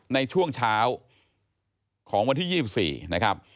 ในช่วงเช้าของวันที่๒๔นะครับ